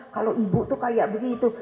kalau ibu tuh kayak begitu